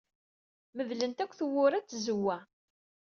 Medlemt akk tiwwura ed tzewwa.